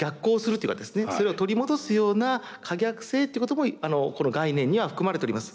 それを取り戻すような可逆性っていうこともこの概念には含まれております。